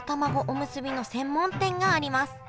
おむすびの専門店があります